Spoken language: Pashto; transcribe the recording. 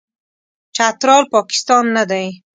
چترال، پاکستان نه دی.